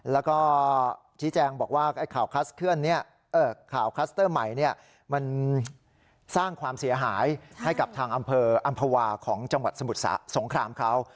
แล้วก็ชี้แจงบอกว่าข่าวนี้ข่าวคลัสเตอร์ใหม่มันสร้างความเสียหายให้กับทางอำเภออำภาวาของจังหวัดสมุทรสงครามเขา